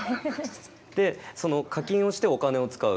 でその課金をしてお金を使う。